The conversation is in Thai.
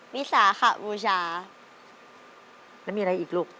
วิสาขบูชาแล้วมีอะไรอีกลูก